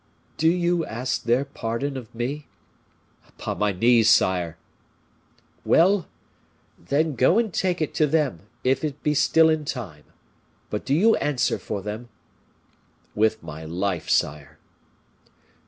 "Do you ask their pardon of me?" "Upon my knees, sire!" "Well! then, go and take it to them, if it be still in time. But do you answer for them?" "With my life, sire."